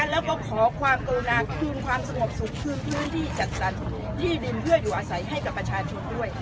แล้วก็ขอความกรุณาคืนความสงบสุขคืนพื้นที่จัดสรรที่ดินเพื่ออยู่อาศัยให้กับประชาชนด้วย